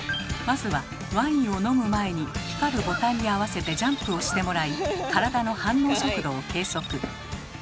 まずはワインを飲む前に光るボタンに合わせてジャンプをしてもらい体の反応速度を計測。